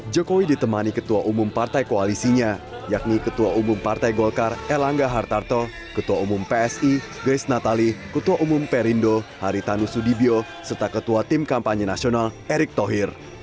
jokowi ditemani ketua umum partai koalisinya yakni ketua umum partai golkar erlangga hartarto ketua umum psi grace natali ketua umum perindo haritanu sudibyo serta ketua tim kampanye nasional erick thohir